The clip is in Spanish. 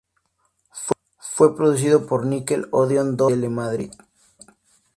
Fue producida por Nickel Odeón Dos y Telemadrid.